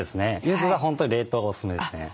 ゆずは本当冷凍がおすすめですね。